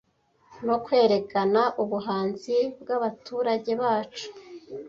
no kwerekana ubuhanzi bwabaturage bacu